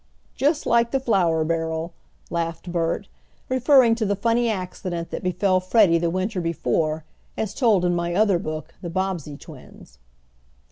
"Just like the flour barrel!" laughed Bert, referring to the funny accident that befell Freddie the winter before, as told in my other book "The Bobbsey Twins."